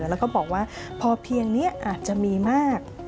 แล้วก็บอกว่าพอเพียงนี้อาจจะมีมาก